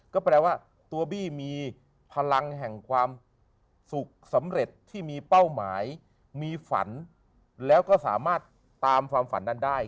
ก็แปลว่าตัวบี้มีพลังแห่งความสุขสำเร็จที่มีเป้าหมายมีฝันแล้วก็สามารถตามความฝันนั้นได้